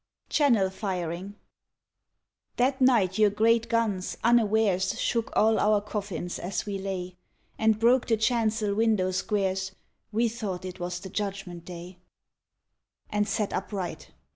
CHANNEL FIRING THAT night your great guns, unawares, Shook all our coffins as we lay, And broke the chancel window squares, We thought it was the Judgment day And sat upright.